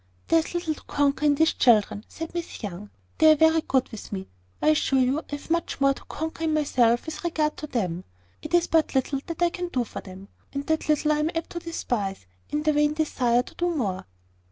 "There is little to conquer in these children," said Miss Young; "they are very good with me. I assure you I have much more to conquer in myself, with regard to them. It is but little that I can do for them; and that little I am apt to despise, in the vain desire to do more."